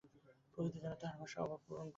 প্রকৃতি যেন তাহার ভাষার অভাব পূরণ করিয়া দেয়।